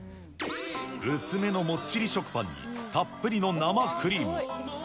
薄めのもっちり食パンに、たっぷりの生クリーム。